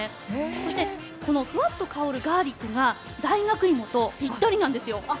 そして、このふわっと香るガーリックが大学芋とピッタリなんです。